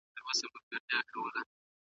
تل ښه کتابونه ولولئ او د نورو خبري واورئ.